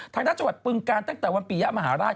ทางด้านจังหวัดปึงการตั้งแต่วันปียะมหาราช